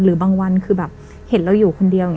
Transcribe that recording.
บางวันคือแบบเห็นเราอยู่คนเดียว